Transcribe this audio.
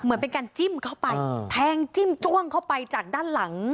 เหมือนเป็นการจิ้มเข้าไปแทงจิ้มจ้วงเข้าไปจากด้านหลัง